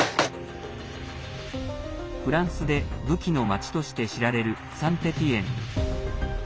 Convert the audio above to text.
フランスで武器の街として知られるサン・テティエンヌ。